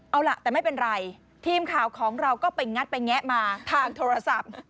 เอาล่ะแต่ไม่เป็นไรทีมข่าวของเราก็ไปงัดไปแงะมาทางโทรศัพท์